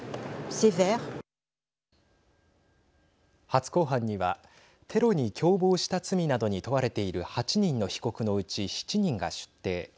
初公判にはテロに共謀した罪などに問われている８人の被告のうち７人が出廷。